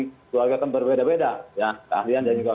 keluarga berbeda beda keahlian dan juga